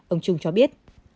ông trung cho biết